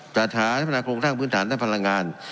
การหาและพนาคมโครงทางพื้นฐานและพลังงาน